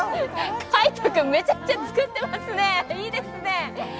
海音君めちゃくちゃ作ってますね、いいですね。